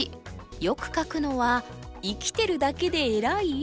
よく書くのは「生きてるだけでえらい」？